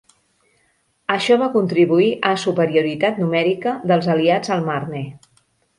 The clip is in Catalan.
Això va contribuir a superioritat numèrica dels aliats al Marne.